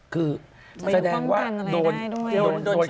คือแสดงว่าโดนกรมธรรมิมันไม่อยู่ค่องกันอะไรได้ด้วย